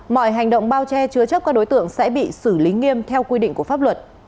mọi hành động bao che chứa chấp các đối tượng sẽ bị xử lý nghiêm theo quy định của pháp luật